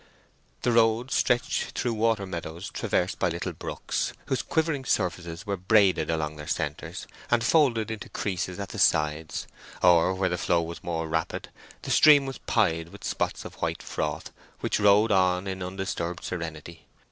The road stretched through water meadows traversed by little brooks, whose quivering surfaces were braided along their centres, and folded into creases at the sides; or, where the flow was more rapid, the stream was pied with spots of white froth, which rode on in undisturbed serenity.